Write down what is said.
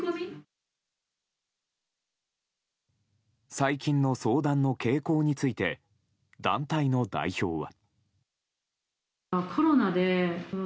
最近の相談の傾向について団体の代表は。